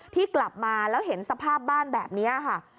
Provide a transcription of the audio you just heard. ที่กลับมาแล้วเห็นสภาพบ้านแบบนี้ค่ะ